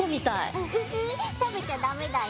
ウフフ食べちゃダメだよ。